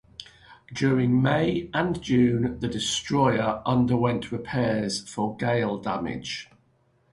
During May and June, the destroyer underwent repairs for gale damage.